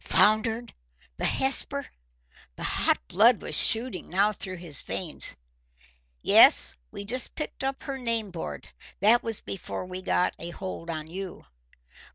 "Foundered? The Hesper?" The hot blood was shooting now through his veins. "Yes, we just picked up her name board. That was before we got a hold on you."